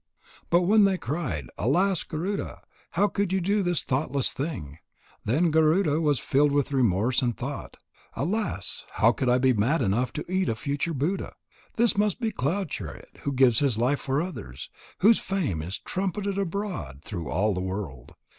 But when they cried: "Alas, Garuda! How could you do this thoughtless thing?" then Garuda was filled with remorse and thought: "Alas! How could I be mad enough to eat a future Buddha? This must be Cloud chariot, who gives his life for others, whose fame is trumpeted abroad through all the world.